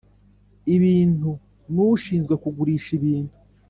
ibintu n ushinzwe kugurisha ibintu